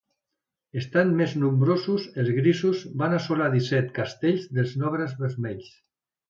Estant més nombrosos els grisos van assolar disset castells dels nobles vermells.